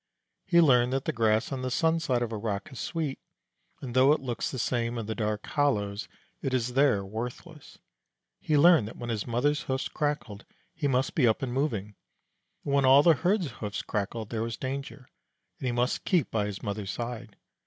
He learned that the grass on the sun side of a rock is sweet, and though it looks the same in the dark hollows, it is there worthless. He learned that when his mother's hoofs crackled he must be up and moving, and when all the herd's hoofs crackled there was danger, and he must keep by his mother's side.